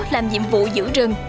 làm nhiệm vụ giữ rừng